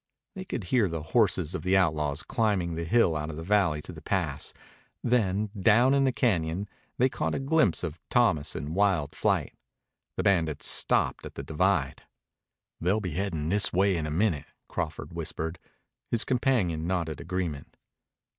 They could hear the horses of the outlaws climbing the hill out of the valley to the pass. Then, down in the cañon, they caught a glimpse of Thomas in wild flight. The bandits stopped at the divide. "They'll be headin' this way in a minute," Crawford whispered. His companion nodded agreement.